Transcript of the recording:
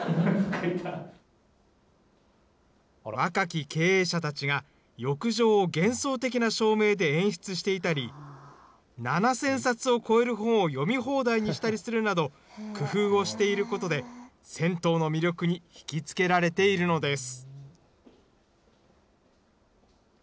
若き経営者たちが、浴場を幻想的な照明で演出していたり、７０００冊を超える本を読み放題にしたりするなど、工夫をしていることで、銭湯の魅力に引き付けられているのです。